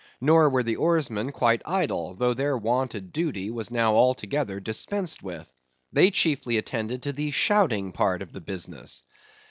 Nor were the oarsmen quite idle, though their wonted duty was now altogether dispensed with. They chiefly attended to the shouting part of the business.